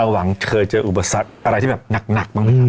หวังเคยเจออุปสรรคอะไรที่แบบหนักบ้างไหมคะ